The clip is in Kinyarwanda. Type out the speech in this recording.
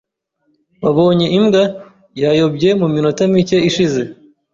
Wabonye imbwa? Yayobye mu minota mike ishize.